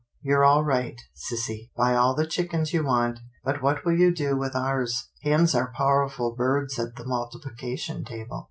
" You're all right, sissy, buy all the chickens you want, but what will you do with ours? Hens are powerful birds at the multiplication table."